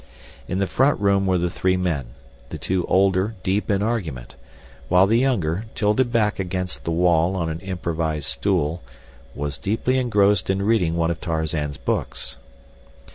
In the front room were the three men; the two older deep in argument, while the younger, tilted back against the wall on an improvised stool, was deeply engrossed in reading one of Tarzan's books.